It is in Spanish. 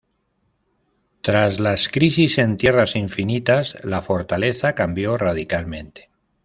Tras las Crisis en Tierras Infinitas la Fortaleza cambió radicalmente.